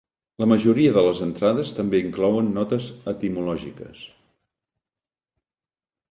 La majoria de les entrades també inclouen notes etimològiques.